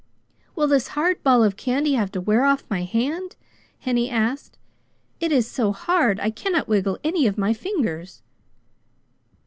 "Will this hard ball of candy have to wear off of my hand?" Henny asked. "It is so hard, I cannot wiggle any of my fingers!"